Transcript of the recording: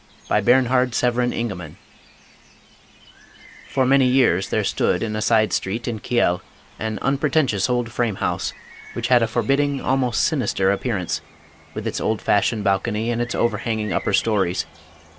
270 Bernhard Severin Ingemann The Sealed Room T7OR many years there stood in a side street in Kiel an unpretentious old frame house which had a forbid ding, almost sinister appearance, with its old fashioned bal cony and its overhanging upper stories.